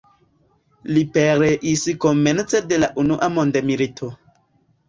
Li pereis komence de la Unua mondmilito.